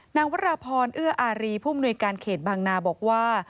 นางวรพรเอื้ออารีผู้มนุยการเขตบางนาบอกว่า